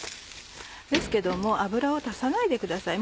ですけども油は足さないでください。